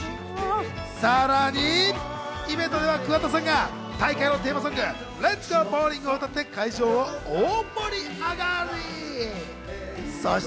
さらにイベントでは桑田さんが大会のテーマソング『レッツゴーボウリング』を歌って、会場大盛り上がり！